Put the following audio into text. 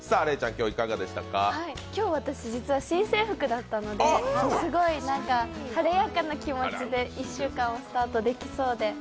今日私、実は新制服だったのですごい晴れやかな気持ちで１週間をスタートできそうです。